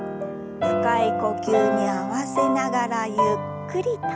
深い呼吸に合わせながらゆっくりと。